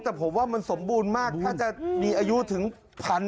แต่ผมว่ามันสมบูรณ์มากถ้าจะมีอายุถึง๑๐๐